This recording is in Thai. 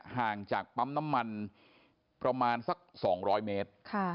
ห่างจากปั๊มน้ำมันประมาณสัก๒๐๐เมตร